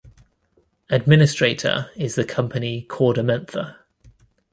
Administrator is the company KordaMentha.